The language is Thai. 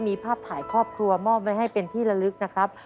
มีภาพถ่ายครอบครัวมอบไว้ให้เป็นที่ละลึกนะครับ